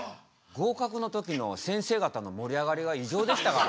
合かくの時の先生方の盛り上がりが異常でしたから。